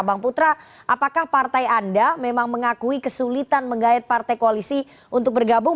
bang putra apakah partai anda memang mengakui kesulitan menggait partai koalisi untuk bergabung